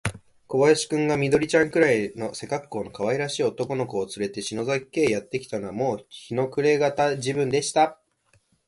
小林君が、緑ちゃんくらいの背かっこうのかわいらしい男の子をつれて、篠崎家へやってきたのは、もう日の暮れがた時分でした。